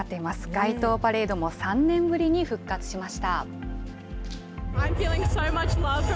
街頭パレードも３年ぶりに復活しました。